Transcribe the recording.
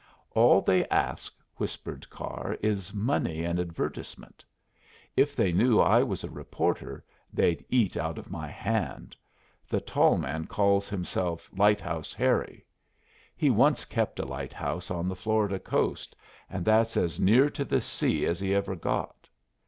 "All they ask," whispered Carr, "is money and advertisement. If they knew I was a reporter, they'd eat out of my hand. The tall man calls himself Lighthouse Harry. He once kept a lighthouse on the Florida coast, and that's as near to the sea as he ever got.